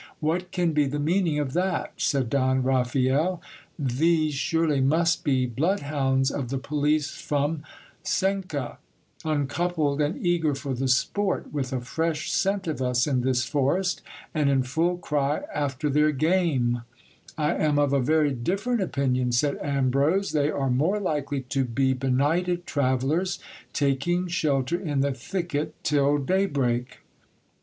What can be the meaning of that ? said Don Raphael ; these surely must be blood hounds of the police from Cuenca, uncoupled and eager for the sport, with a fresh scent of us in this forest, and in full cry after their game I am of a very different opinion, said Ambrose ; they are more likely to be benighted travellers taking shelter in the thicket till daybreak.